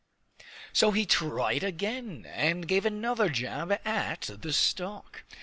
So he tried again, and gave another jab at the stalk.